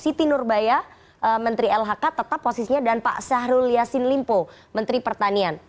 siti nurbaya menteri lhk tetap posisinya dan pak syahrul yassin limpo menteri pertanian